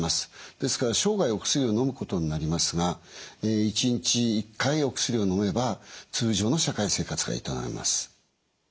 ですから生涯お薬をのむことになりますが１日１回お薬をのめば通常の社会生活が営めます。